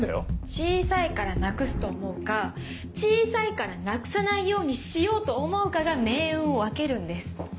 「小さいからなくす」と思うか「小さいからなくさないようにしよう」と思うかが命運を分けるんです。